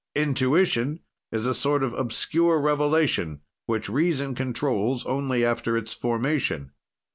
Intuition is a sort of obscure revelation, which reason controls only after its formation.